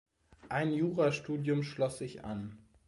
Ein Jura-Studium schloss sich an.